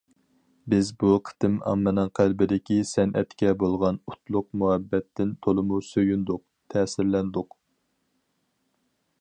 بىز بۇ قېتىم ئاممىنىڭ قەلبىدىكى سەنئەتكە بولغان ئوتلۇق مۇھەببەتتىن تولىمۇ سۆيۈندۇق، تەسىرلەندۇق.